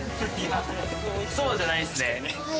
そうじゃないですね。